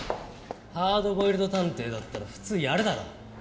ハードボイルド探偵だったら普通やるだろ。